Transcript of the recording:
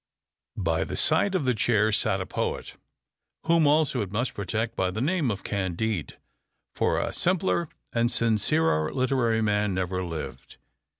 By the side of the Chair sat a poet, whom also it must protect by the name of Candide, for a simpler and sincerer literary man never lived.